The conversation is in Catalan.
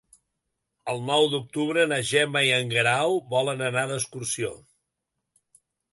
El nou d'octubre na Gemma i en Guerau volen anar d'excursió.